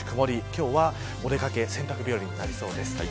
今日はお出掛け洗濯日和になりそうです。